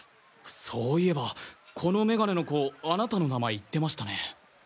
そういえばこの眼鏡の子あなたの名前言ってましたね。